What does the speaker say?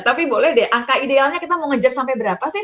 tapi boleh deh angka idealnya kita mau ngejar sampai berapa sih